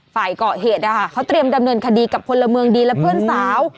ฝ่ายเกาะเหตุเขาเตรียมดำเนินคดีกับพลเมืองดีและเพื่อนสาว